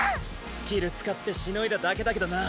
スキル使ってしのいだだけだけどな。